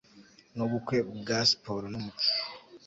nubukwe bwa siporo numuco